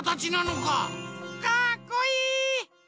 かっこいい！